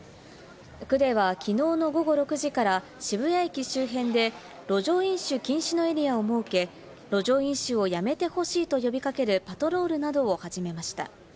区ではきのうの午後６時から渋谷駅周辺で路上飲酒禁止のエリアを設け、路上飲酒をやめてほしいと呼び掛けるパトロールなどを始めました。